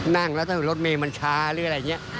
นั่งแล้วถ้ารถเมย์มันช้าหรืออะไรอย่างนี้